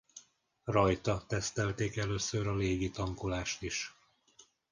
Rajta tesztelték először a légi tankolást is.